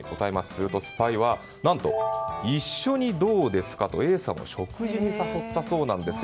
すると、スパイは何と一緒にどうですか？とＡさんを食事に誘ったそうなんです。